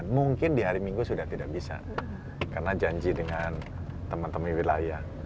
mungkin di hari minggu sudah tidak bisa karena janji dengan teman teman wilayah